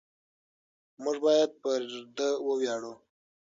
موږ باید پر ده وویاړو.